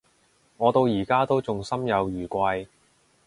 我到而家都仲心有餘悸